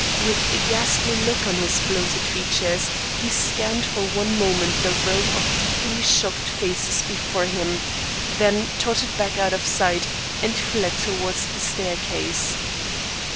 With a ghastly look on his bloated features, he scanned for one moment the row of deeply shocked faces before him, then tottered back out of sight, and fled towards the staircase.